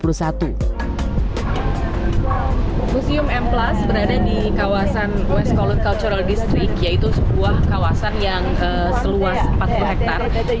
berada di kawasan west colour cultural district yaitu sebuah kawasan yang seluas empat puluh hektare